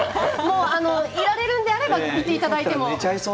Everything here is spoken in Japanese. いられるのであればいていただいても。